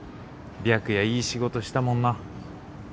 白夜いい仕事したもんな。